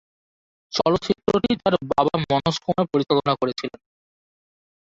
চলচ্চিত্রটি তার বাবা মনোজ কুমার পরিচালনা করেছিলেন।